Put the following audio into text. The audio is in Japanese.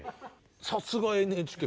さすがＮＨＫ！